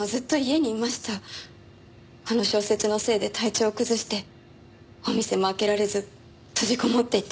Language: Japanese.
あの小説のせいで体調を崩してお店も開けられず閉じこもっていて。